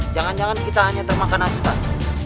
jangan jangan kita hanya termakan asupan